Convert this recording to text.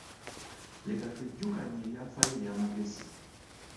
Leka twejjukanye ebyafaayo eby’amagezi.